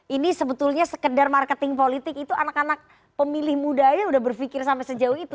ini sebetulnya sekedar marketing politik itu anak anak pemilih muda aja udah berpikir sampai sejauh itu